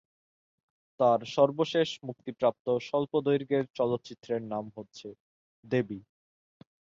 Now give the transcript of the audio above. তার সর্বশেষ মুক্তিপ্রাপ্ত স্বল্পদৈর্ঘ্যের চলচ্চিত্রের নাম হচ্ছে "দেবী"।